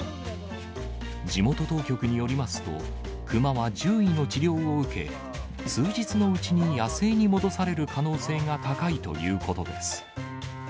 地元当局によりますと、クマは獣医の治療を受け、数日のうちに野生に戻される可能性が高いということです。